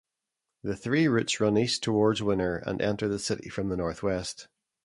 The three routes run east toward Winner and enter the city from the northwest.